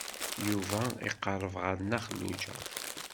Yuba iqerreb ɣer Nna Xelluǧa.